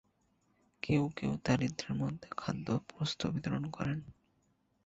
কেউ কেউ দরিদ্রদের মধ্যে খাদ্য ও বস্ত্র বিতরণ করেন।